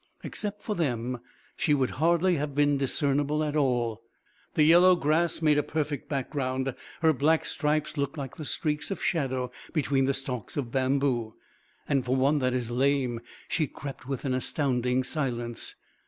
Except for them, she would hardly have been discernible at all. The yellow grass made a perfect background, her black stripes looked like the streaks of shadow between the stalks of bamboo, and for one that is lame she crept with an astounding silence.